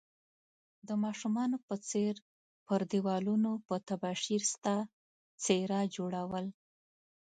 د ماشومانو په څير پر ديوالونو په تباشير ستا څيره جوړول